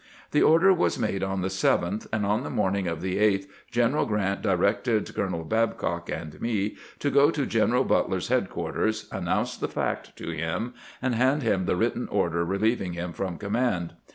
The order was made on the 7th, and on the morning of the 8th General Grant di rected Colonel Babcock and me to go to General Butler's headquarters, announce the fact to him, and hand him the written order relieving him from command.